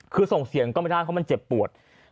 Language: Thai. คือส่งเสียงก็ไม่ได้เพราะมันเจ็บปวด